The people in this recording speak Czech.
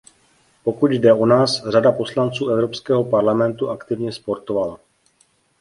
Pokud jde o nás, řada poslanců Evropského parlamentu aktivně sportovala.